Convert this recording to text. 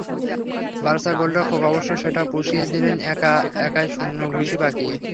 Barca গোলরক্ষক অবশ্য সেটা পুষিয়ে দিলেন একা একাই শূন্যে ঘুষি পাকিয়ে।